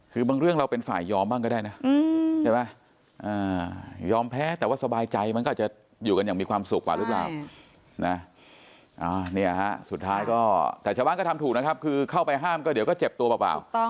คือบางเรื่องเราเป็นฝ่ายยอมบ้างก็ได้นะใช่ป่ะยอมแพ้แต่ว่าสบายใจมันก็จะอยู่กันอย่างมีความสุขกว่าหรือเปล่า